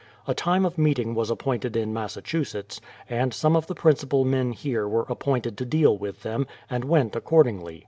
A time of meeting was appointed in Massachusetts, and some of the principal men here were appointed to deal with them, and went accordingly.